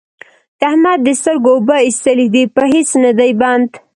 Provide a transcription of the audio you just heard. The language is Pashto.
د احمد د سترګو اوبه اېستلې دي؛ په هيڅ نه دی بند،